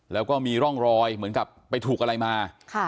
แล้วก็มีร่องรอยเหมือนกับไปถูกอะไรมา